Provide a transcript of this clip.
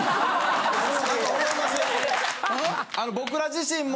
僕ら自身も。